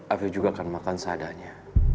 afif juga akan makan sadanya